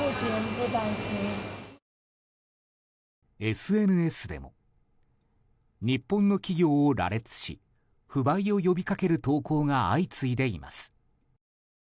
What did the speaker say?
ＳＮＳでも日本の企業を羅列し不買を呼びかける投稿が相次いでいます。